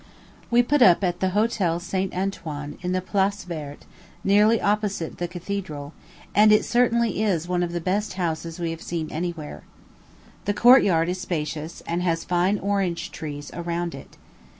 We put up at the Hotel St. Antoine, in the Place Verte, nearly opposite the cathedral, and it certainly is one of the best houses we have seen any where. The court yard is spacious, and has fine orange trees around it.